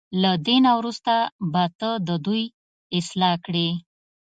له دې نه وروسته به ته د دوی اصلاح کړې.